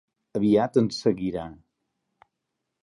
Aviat ens seguirà.